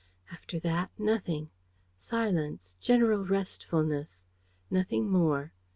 "After that, nothing. Silence, general restfulness. Nothing more.